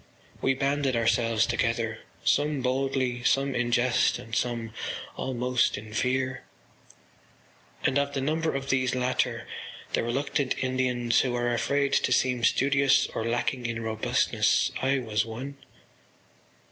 We banded ourselves together, some boldly, some in jest and some almost in fear: and of the number of these latter, the reluctant Indians who were afraid to seem studious or lacking in robustness, I was one.